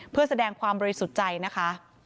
เพื่อแสดงความบริสุทธิ์ใจนะคะ